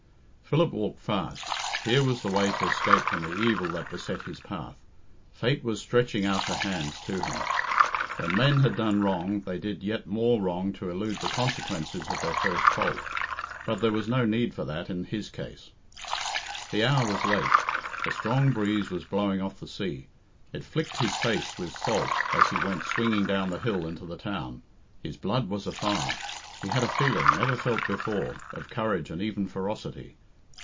Philip walked fast. Here was the way of escape from the evil that beset his path. Fate was stretching out her hands to him. When men had done wrong, they did yet more wrong to elude the consequences of their first fault; but there was no need for that in his case. The hour was late. A strong breeze was blowing off the sea. It flicked his face with salt as he went swinging down the hill into the town. His blood was a fire. He had a feeling, never felt before, of courage and even ferocity.